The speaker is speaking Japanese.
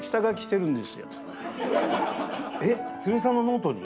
えっ鶴井さんのノートに？